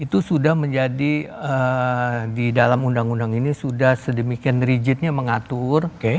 itu sudah menjadi di dalam undang undang ini sudah sedemikian rigidnya mengatur